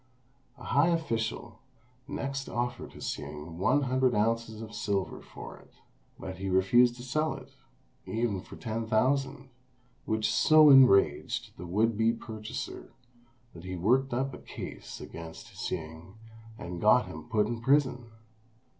A high official next offered Hsing one hundred ounces of silver for it; but he refused to sell it even for ten thousand, which so enraged the would be purchaser that he worked up a case against Hsing, and got him put in prison.